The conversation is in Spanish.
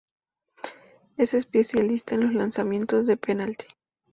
Es especialista en los lanzamientos de penalti.